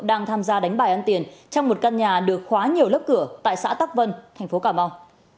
đang tham gia đánh bài ăn tiền trong một căn nhà được khóa nhiều lớp cửa tại xã tắc vân thành phố cà mau